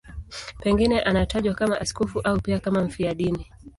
Pengine anatajwa kama askofu au pia kama mfiadini.